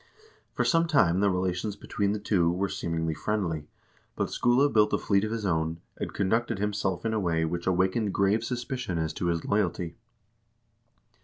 For some time the relations between the two were, seemingly, friendly, but Skule built a fleet of his own, and conducted himself in a way which awakened grave suspicion as to his loyalty.